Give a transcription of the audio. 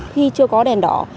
khi chưa có đèn đỏ